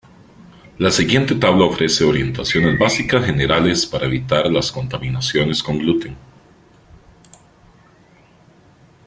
La siguiente tabla ofrece orientaciones básicas generales para evitar las contaminaciones con gluten.